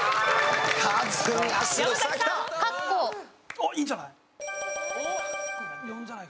おっいいんじゃない？